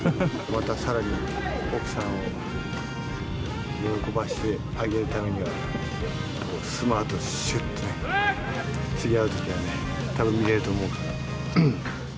またさらに奥さんを喜ばせてあげるためには、スマート、しゅっとね、次会うときはね、たぶん見れると思うから。